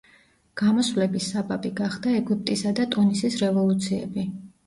გამოსვლების საბაბი გახდა ეგვიპტისა და ტუნისის რევოლუციები.